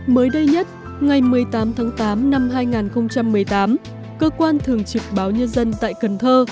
mới đây nhất ngày một mươi tám tháng tám năm hai nghìn một mươi tám cơ quan thường trực báo nhân dân tại cần thơ